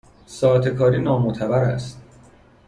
ساعات کاری نامعتبر است